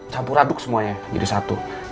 campur aduk semuanya jadi satu